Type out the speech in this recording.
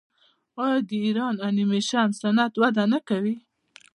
آیا د ایران انیمیشن صنعت وده نه کوي؟